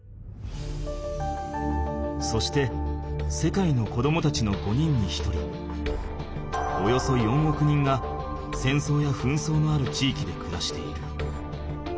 そして世界の子どもたちの５人に１人およそ４億人が戦争や紛争のある地域で暮らしている。